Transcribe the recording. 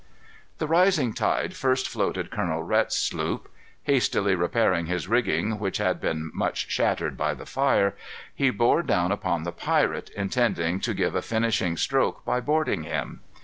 The rising tide first floated Colonel Rhet's sloop. Hastily repairing his rigging, which had been much shattered by the fire, he bore down upon the pirate, intending to give a finishing stroke by boarding him.